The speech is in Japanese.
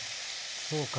そうか。